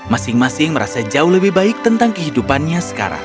masing masing merasa jauh lebih baik tentang kehidupannya sekarang